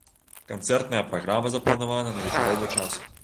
Канцэртная праграма запланавана на вечаровы час.